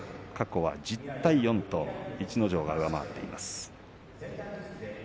過去は１０対４逸ノ城が上回っています。